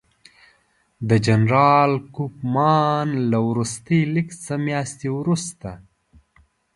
د جنرال کوفمان له وروستي لیک څه میاشت وروسته.